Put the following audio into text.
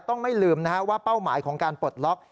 ต้องไม่ลืมว่าเป้าหมายของการปลดล็อค